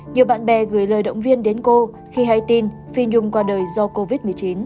nhiều bạn bè gửi lời động viên đến cô khi hay tin phi nhung qua đời do covid một mươi chín